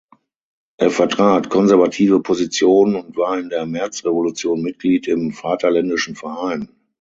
Er vertrat konservative Positionen und war in der Märzrevolution Mitglied im "Vaterländischen Verein".